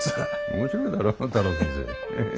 面白いだろ太郎先生。